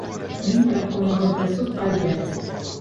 Мин профкомығыҙҙы судҡа бирәм!